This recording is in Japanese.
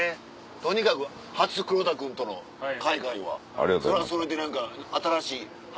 とにかく初黒田君との海外はそれはそれで何か。